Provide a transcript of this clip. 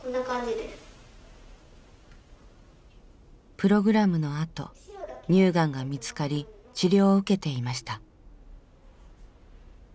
プログラムのあと乳がんが見つかり治療を受けていました。